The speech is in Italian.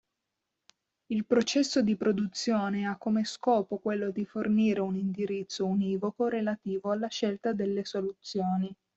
Il processo di produzione ha come scopo quello di fornire un indirizzo univoco relativo alla scelta delle soluzioni.